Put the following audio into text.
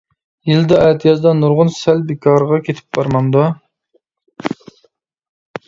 يىلدا ئەتىيازدا نۇرغۇن سەل بىكارغا كېتىپ بارمامدۇ.